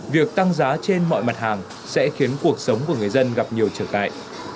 việc tăng giá trên mọi mặt hàng sẽ khiến cuộc sống của người dân gặp nhiều trở ngại